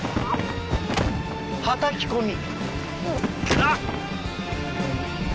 はたき込み。